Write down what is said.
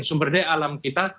sumber daya alam kita